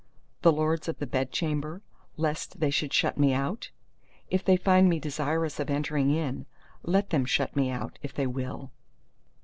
the lords of the Bedchamber, lest they should shut me out? If they find me desirous of entering in, let them shut me out, if they will.